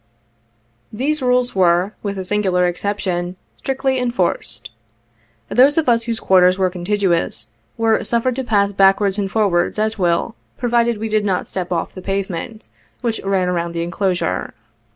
34 These rules were, with a single exception, strictly en forced. Those of us whose quarters were contiguous, were suffered to pass backwards and forwards, at will, provided we did not step off the pavement, which ran around the enclosure.